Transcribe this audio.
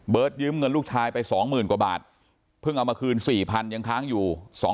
เบิร์ทยึมเงินลูกชายไป๒๐๐๐๐กว่าบาทเพิ่งเอามะคืน๔๐๐๐ยังค้างอยู่๒๓๐๐๐๐